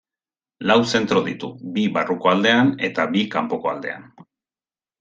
Lau zentro ditu, bi barruko aldean eta bi kanpoko aldean.